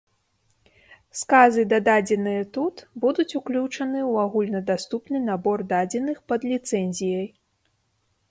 Сказы, дададзеныя тут, будуць уключаны ў агульнадаступны набор дадзеных пад ліцэнзіяй